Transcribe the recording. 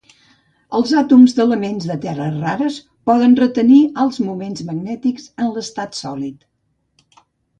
Els àtoms d'elements de terres rares poden retenir alts moments magnètics en l'estat sòlid.